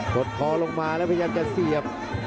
ดคอลงมาแล้วพยายามจะเสียบ